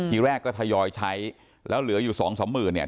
ทีแรกก็ทยอยใช้แล้วเหลืออยู่สองสามหมื่นเนี่ย